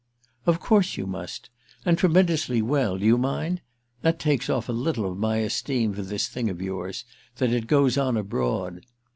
"Of course you must. And tremendously well, do you mind? That takes off a little of my esteem for this thing of yours—that it goes on abroad.